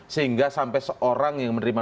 sehingga sampai seorang yang menerima